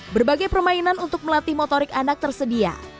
berbagai permainan untuk melatih motorik anak tersedia